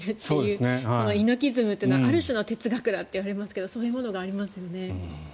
猪木イズムというのはある種の哲学だといわれますがそういうものがありますよね。